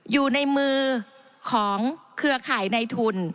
อยู่ในมือของเครือข่ายในทุน